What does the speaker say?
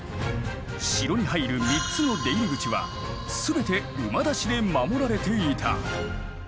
城に入る３つの出入り口は全て馬出しで守られていた。